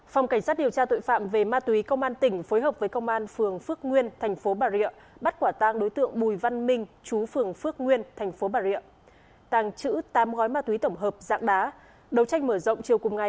phòng cảnh sát điều tra tội phạm về ma túy công an tỉnh phối hợp với công an phường phước nguyên thành phố bà rịa bắt quả tàng đối tượng bùi văn minh chú phường phước nguyên thành phố bà rịa tàng chữ tám gói ma túy tổng hợp dạng đá